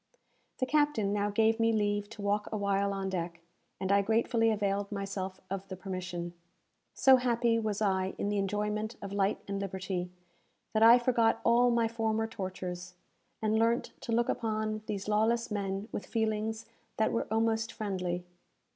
The captain now gave me leave to walk awhile on deck, and I gratefully availed myself of the permission. So happy was I in the enjoyment of light and liberty, that I forgot all my former tortures, and learnt to look upon these lawless men with feelings that were almost friendly.